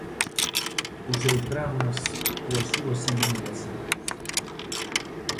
Cos seus dramas, coas súas iluminacións.